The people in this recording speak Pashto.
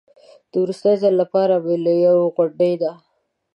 د وروستي ځل لپاره مې له یوې غونډۍ نه.